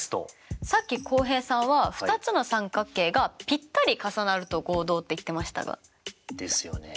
さっき浩平さんは２つの三角形がぴったり重なると合同って言ってましたが。ですよね。